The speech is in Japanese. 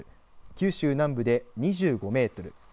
九州南部で２５メートル